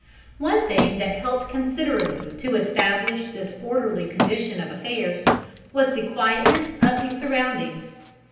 One thing that helped considerably to establish this orderly condition of affairs was the quietness of the surroundings.